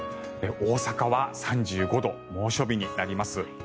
大阪は３５度猛暑日になります。